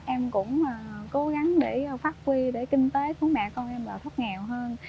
em cũng cố gắng để phát huy để kinh tế của mẹ con em là thấp nghèo hơn